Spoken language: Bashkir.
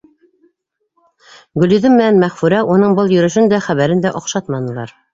Гөлйөҙөм менән Мәғфүрә уның был йөрөшөн дә, хәбәрен дә оҡшатманылар.